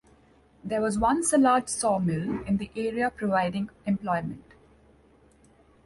There was once a large sawmill in the area providing employment.